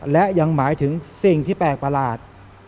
และยังหมายถึงสิ่งที่แปลกประหลาด